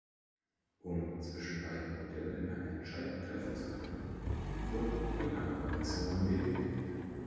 Um zwischen beiden Modellen eine Entscheidung treffen zu können, wurden genauere Messungen benötigt.